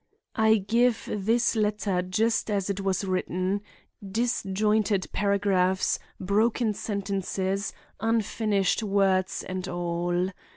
I give this letter just as it was written disjointed paragraphs, broken sentences, unfinished words and all.